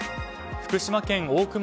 福島県大熊